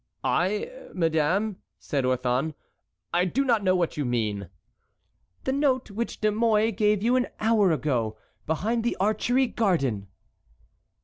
"I, madame," said Orthon, "I do not know what you mean." "The note which De Mouy gave you an hour ago, behind the Archery Garden."